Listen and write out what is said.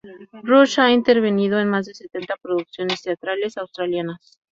Rush ha intervenido en más de setenta producciones teatrales australianas.